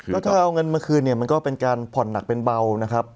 ก็ถ้าเอาเงินมาคืนเนี่ยมันก็เป็นการผ่อนหนักเป็นเบานะครับ